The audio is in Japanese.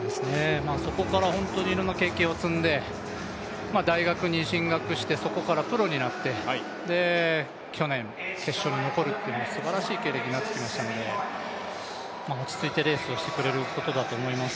そこからいろんな経験を積んで、大学に進学してそこからプロになって、去年、決勝に残るというすばらしい経歴になってきましたので落ち着いてレースをしてくれることと思います。